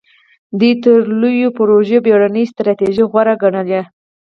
دوی تر لویو پروژو بېړنۍ ستراتیژۍ غوره ګڼلې.